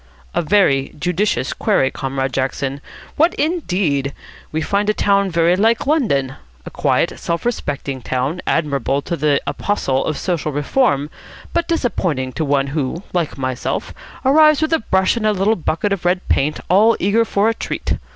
"A very judicious query, Comrade Jackson. What, indeed? We find a town very like London. A quiet, self respecting town, admirable to the apostle of social reform, but disappointing to one who, like myself, arrives with a brush and a little bucket of red paint, all eager for a treat.